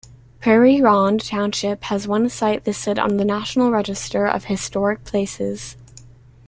Prairie Ronde Township has one site listed on the National Register of Historic Places.